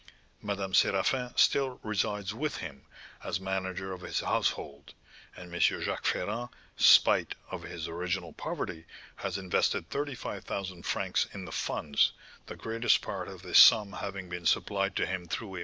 Madame Séraphin still resides with him, as manager of his household; and M. Jacques Ferrand, spite of his original poverty, has invested thirty five thousand francs in the funds, the greatest part of this sum having been supplied to him through a M.